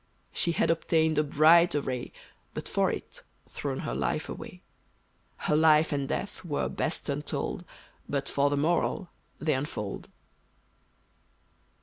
She had obtained a bright array, But for it, thrown her life away! Her life and death were best untold, But for the moral they unfold!